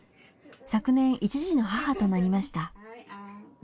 昨年一児の母となりました。